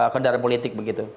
kendaraan politik begitu